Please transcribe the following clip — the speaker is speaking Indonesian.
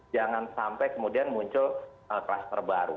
jangan sampai kemudian muncul klaster baru